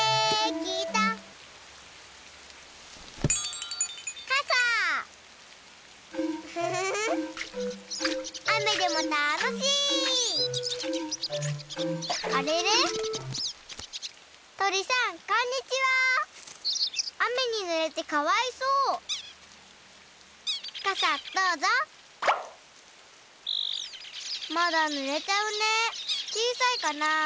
ちいさいかなあ？